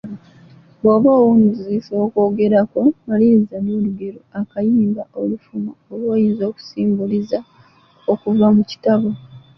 Bw’oba owunzika okwogera kwo, maliriza n’olugero, akayimba, olufumo, oba oyinza okusimbuliza okuva mu kitabo.